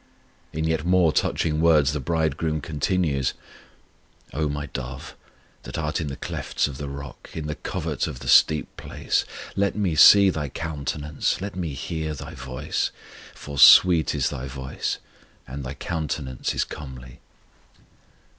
In yet more touching words the Bridegroom continues: O My dove, that art in the clefts of the rock, in the covert of the steep place, Let Me see thy countenance, let Me hear thy voice: For sweet is thy voice, and thy countenance is comely.